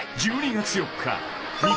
［１２月４日。